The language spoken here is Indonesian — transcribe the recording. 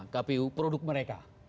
kpu produk mereka